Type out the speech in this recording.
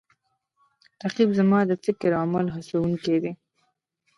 رقیب زما د فکر او عمل هڅوونکی دی